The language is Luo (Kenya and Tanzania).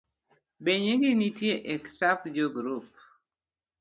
Benyingi nitie e kitap jo grup?